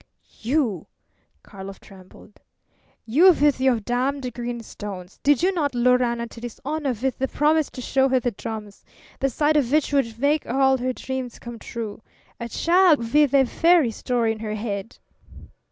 "You!" Karlov trembled. "You with your damned green stones! Did you not lure Anna to dishonour with the promise to show her the drums, the sight of which would make all her dreams come true? A child, with a fairy story in her head!"